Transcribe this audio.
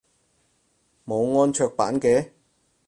冇安卓版嘅？